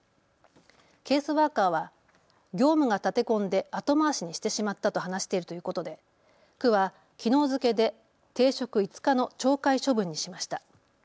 ケースワーカーは業務が立て込んで後回しにしてしまったと話しているということで区はきのう付けで停職５日の懲戒処分にしました。